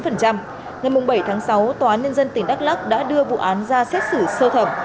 ngày bảy tháng sáu tòa án nhân dân tỉnh đắk lắc đã đưa vụ án ra xét xử sơ thẩm